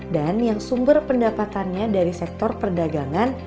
dan yang sumber pendapatannya dari sektor perdagangan